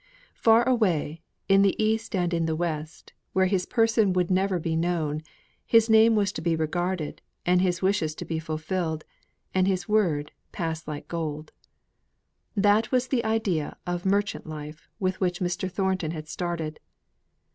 Far away, in the East and in the West, where his person would never be known, his name was to be regarded, and his wishes to be fulfilled, and his word pass like gold. That was the idea of merchant life with which Mr. Thornton had started.